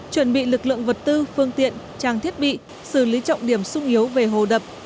chuẩn bị lực lượng vật tư phương tiện trang thiết bị xử lý trọng điểm sung yếu về hồ đập